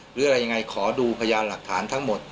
หรืออะไรยังไงขอดูพยานหลักฐานนะครับ